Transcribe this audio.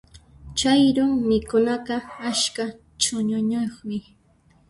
Chayru mikhunaqa askha ch'uñuyuqmi.